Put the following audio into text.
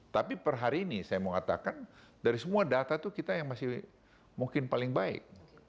tapi per hari ini saya mau katakan dari semua data itu kita yang masih mungkin paling baik